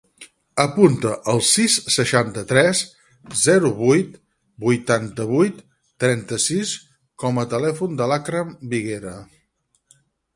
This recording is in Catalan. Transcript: Apunta el sis, seixanta-tres, zero, vuit, vuitanta-vuit, trenta-sis com a telèfon de l'Akram Viguera.